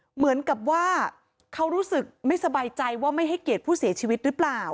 เหมือนกับว่าเขารู้สึกไม่สบายใจว่าไม่ให้เกียรติผู้เสียชีวิตหรือเปล่า